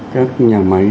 các nhà máy